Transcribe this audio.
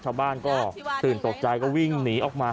ชาวบ้านก็ตื่นตกใจก็วิ่งหนีออกมา